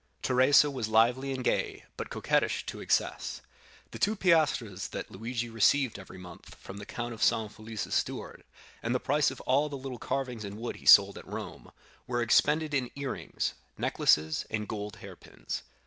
Teresa was lively and gay, but coquettish to excess. The two piastres that Luigi received every month from the Count of San Felice's steward, and the price of all the little carvings in wood he sold at Rome, were expended in ear rings, necklaces, and gold hairpins.